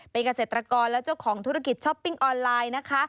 เป็นเกษตรกรและเจ้าของธุรกิจช้อปปิ้งออนไลน์นะคะ